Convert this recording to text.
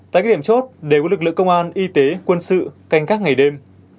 tại các điểm chốt đều có lực lượng công an y tế quân sự canh các ngày đêm